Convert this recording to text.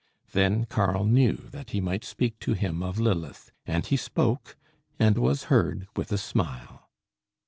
Then Karl knew that he might speak to him of Lilith; and he spoke, and was heard with a smile.